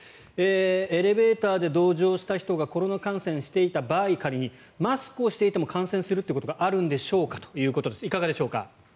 エレベーターで同乗した人が仮にコロナ感染していた場合マスクをしていても感染するということがあるんでしょうか？ということですがいかがでしょうか。